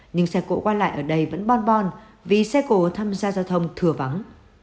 nhưng xe cộ qua lại ở đây vẫn bon bon vì xe cổ tham gia giao thông thừa vắng